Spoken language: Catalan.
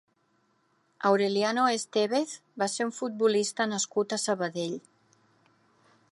Aureliano Estévez va ser un futbolista nascut a Sabadell.